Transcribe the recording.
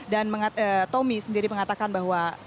dan tommy sendiri mengatakan bahwa